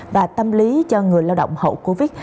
và tâm lý cho người lao động hậu covid